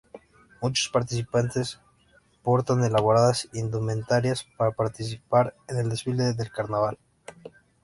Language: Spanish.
Muchos participantes portan elaboradas indumentarias para participar en el desfile del carnaval.